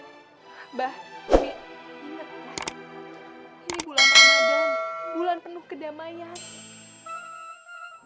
abah umi ingat ya ini bulan ramadan bulan penuh kedamaian